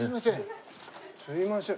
すいません。